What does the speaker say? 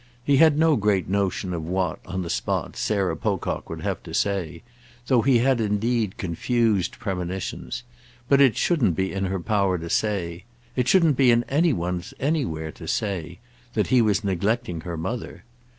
He had no great notion of what, on the spot, Sarah Pocock would have to say, though he had indeed confused premonitions; but it shouldn't be in her power to say—it shouldn't be in any one's anywhere to say—that he was neglecting her mother.